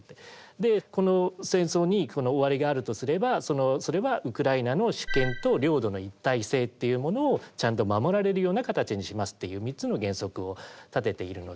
でこの戦争に終わりがあるとすればそれはウクライナの主権と領土の一体性っていうものをちゃんと守られるような形にしますっていう３つの原則を立てているので。